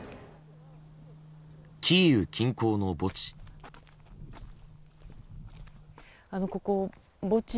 キーウ近郊の墓地。